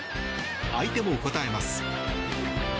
相手も応えます。